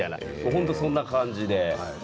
本当にそんな感じで。